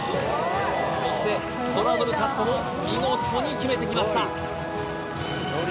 そしてストラドルカットも見事に決めてきました